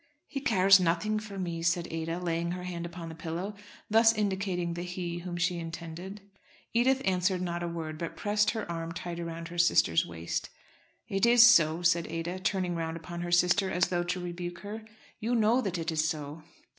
"He cares nothing for me," said Ada, laying her hand upon the pillow, thus indicating the "he" whom she intended. Edith answered not a word, but pressed her arm tight round her sister's waist. "It is so," said Ada, turning round upon her sister as though to rebuke her. "You know that it is so."